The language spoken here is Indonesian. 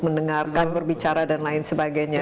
mendengarkan berbicara dan lain sebagainya